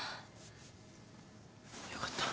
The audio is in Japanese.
よかった。